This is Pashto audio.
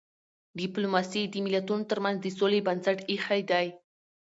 ډيپلوماسي د ملتونو ترمنځ د سولي بنسټ ایښی دی.